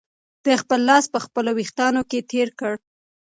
ده خپل لاس په خپلو وېښتانو کې تېر کړ.